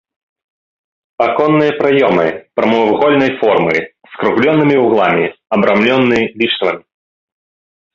Аконныя праёмы прамавугольнай формы, з скругленымі вугламі, абрамлены ліштвамі.